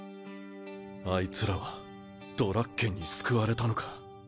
あいつらはドラッケンに救われたのか。